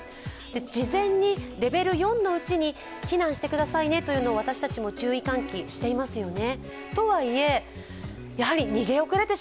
事前にレベル４のうちに避難してくださいねと私たちも注意喚起していますよね。